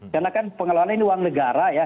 karena kan pengelolaan ini uang negara